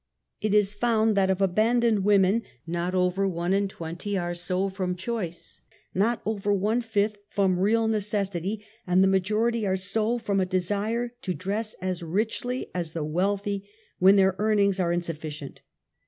It is found that of abandoned women not over one in tvrenty are so from choice, not over one fifth from real necessity, and the majority . are so from a desire to dress as richly as the wealthy when their earnings are insufhcient.